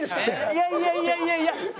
いやいやいやいやいや！